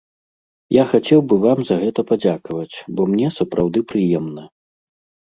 Я хацеў бы вам за гэта падзякаваць, бо мне сапраўды прыемна.